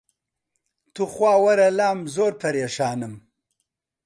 توخوا وەرە لام زۆر پەرێشانم